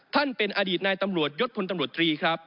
เป็นอดีตนายตำรวจยศพลตำรวจตรีครับ